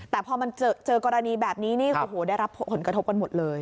แต่พอมันเจอกรณีแบบนี้นี่โอ้โหได้รับผลกระทบกันหมดเลย